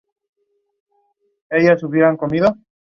Medina no desarrolló la idea.